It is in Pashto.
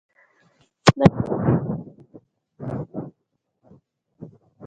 د هېواد مرکز د افغانستان د زرغونتیا نښه بلل کېږي.